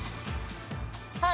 はい。